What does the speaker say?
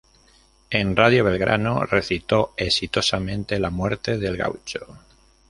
En Radio Belgrano recitó exitosamente "La muerte del gaucho".